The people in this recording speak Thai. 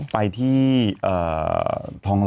ไปที่ทองหล